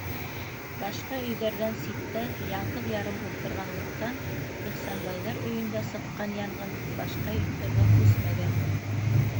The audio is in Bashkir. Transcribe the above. Башҡа өйҙәрҙән ситтә, яңғыҙ-ярым ултырғанлыҡтан, Ихсанбайҙар өйөндә сыҡҡан янғын башҡа йорттарға күсмәгән.